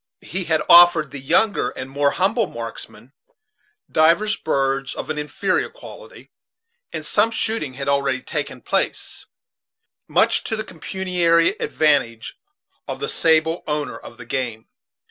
He had offered to the younger and more humble marks men divers birds of an inferior quality, and some shooting had already taken place, much to the pecuniary advantage of the sable owner of the game.